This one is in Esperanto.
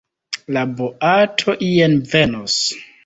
La boato ien venos.